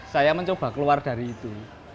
saya mencoba keluar dari itu